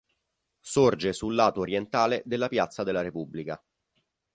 Sorge sul lato orientale della piazza della Repubblica.